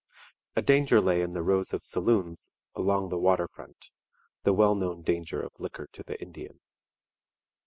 A danger lay in the rows of saloons along the water front the well known danger of liquor to the Indian.